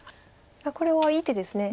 これはいい手です。